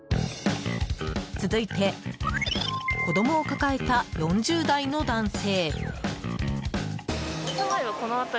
続いて、子供を抱えた４０代の男性。